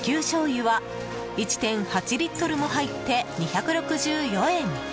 醤油は１．８リットルも入って２６４円。